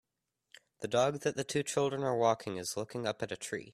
The dog that the two children are walking is looking up at a tree.